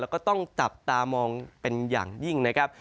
แล้วก็ต้องจับตามองเป็นอย่างยิ่งนะครับ